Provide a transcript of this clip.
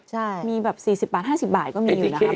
ใช่มีแบบ๔๐บาท๕๐บาทก็มีอยู่นะฮะบางอย่าง